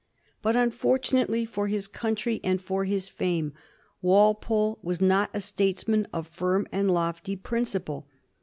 But, unfortunately for his country and for his fame, Walpole was not a statesman of firm and lofty principle.